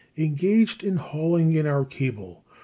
engaged in hauling in our cable.